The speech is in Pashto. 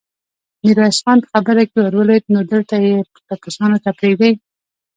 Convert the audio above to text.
ميرويس خان په خبره کې ور ولوېد: نو دلته يې ټپوسانو ته پرېږدې؟